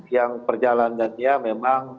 yang perjalanannya memang